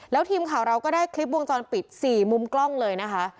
แล้วทีมข่าวเราก็ได้คลิปวงจรปิด๔มุมกล้องเลยนะคะ